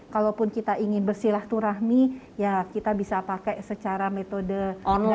kalaupun kita ingin bersilah turahmi ya kita bisa pakai secara metode